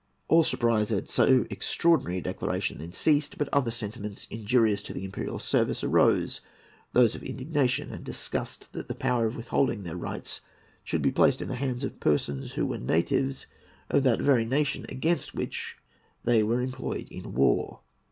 All surprise at so extraordinary a declaration then ceased; but other sentiments injurious to the imperial service, arose,—those of indignation and disgust that the power of withholding their rights should be placed in the hands of persons who were natives of that very nation against which they were employed in war.